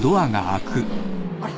あれ！？